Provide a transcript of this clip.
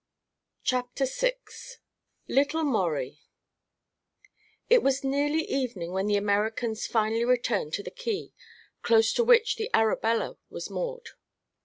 CHAPTER VI LITTLE MAURIE It was nearly evening when the Americans finally returned to the quay, close to which the Arabella was moored.